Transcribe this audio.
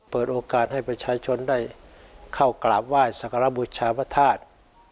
เปิดโอกาสให้ประชาชนได้เข้ากราบไหว้สักการบุชาพระธาตุ